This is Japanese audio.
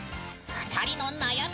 ２人の悩み